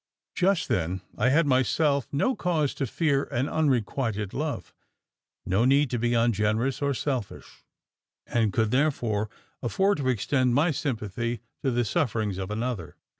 Just then, I had myself no cause to fear an unrequited love no need to be ungenerous or selfish and could, therefore, afford to extend my sympathy to the sufferings of another.